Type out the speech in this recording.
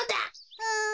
うん。